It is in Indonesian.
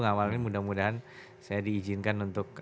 awalnya mudah mudahan saya diizinkan untuk